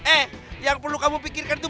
eh yang perlu kamu pikirkan itu